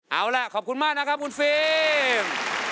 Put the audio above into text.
เอาล่ะขอบคุณมากนะครับคุณฟิล์ม